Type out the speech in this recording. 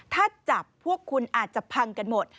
ถ้าจับพวกคุณอาจจะพังกันหมด